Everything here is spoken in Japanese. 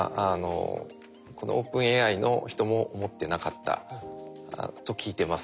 このＯｐｅｎＡＩの人も思ってなかったと聞いてます。